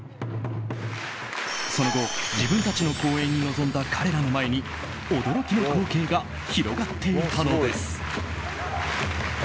その後、自分たちの公演に臨んだ彼らの前に驚きの光景が広がっていたのです。